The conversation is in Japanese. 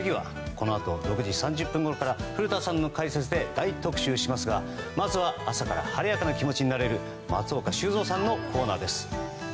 このあと６時３０分ごろから古田さんの解説で大特集しますがまずは朝から晴れやかな気持ちになれる松岡修造さんのコーナーです。